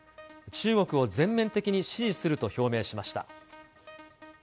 中国を全面的に支持すると表明しました。